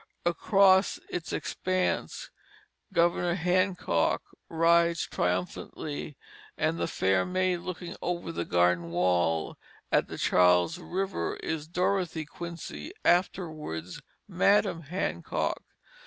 Across its expanse Governor Hancock rides triumphantly; and the fair maid looking over the garden wall at the Charles River is Dorothy Quincy, afterwards Madam Hancock.